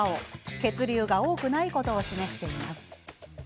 血流が多くないことを示しています。